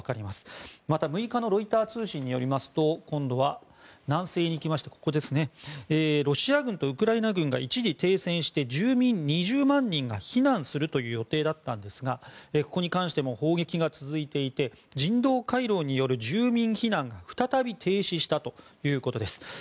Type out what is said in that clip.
また６日のロイター通信によりますと今度は南西に行きましてロシア軍とウクライナ軍が一時停戦して住民２０万人が避難するという予定だったんですがここに関しても砲撃が続いていて人道回廊による住民避難が再び停止したということです。